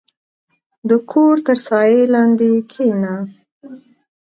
• د کور تر سایې لاندې کښېنه.